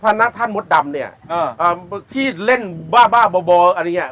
พระพระนักท่านมดดำเนี้ยเอ่อเอ่อที่เล่นบ้าบ้าบ่อบ่ออันนี้เนี้ย